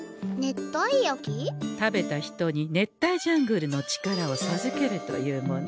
食べた人に熱帯ジャングルの力をさずけるというもの。